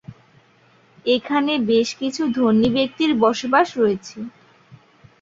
এখানে বেশ কিছু ধনী ব্যক্তির বসবাস রয়েছে।